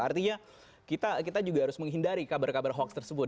artinya kita juga harus menghindari kabar kabar hoax tersebut